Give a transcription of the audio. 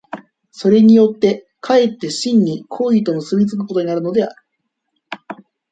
それによって却って真に行為と結び付くことになるのである。